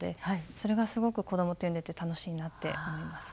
それがすごく子どもと読んでて楽しいなって思います。